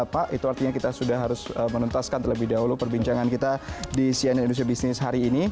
pak itu artinya kita sudah harus menuntaskan terlebih dahulu perbincangan kita di cnn indonesia business hari ini